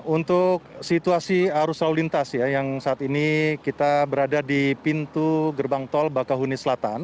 untuk situasi arus lalu lintas ya yang saat ini kita berada di pintu gerbang tol bakahuni selatan